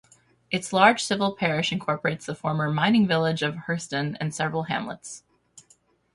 Its large civil parish incorporates the former 'mining village' of Hersden and several hamlets.